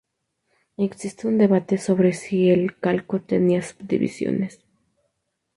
Existe un debate sobre si el calco tenía subdivisiones.